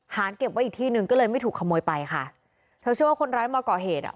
เก็บไว้อีกที่หนึ่งก็เลยไม่ถูกขโมยไปค่ะเธอเชื่อว่าคนร้ายมาก่อเหตุอ่ะ